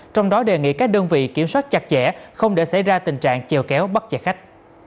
trong đó đề nghị các đơn vị kiểm soát chặt chẽ không để xảy ra tình trạng chèo kéo bắt chạy khách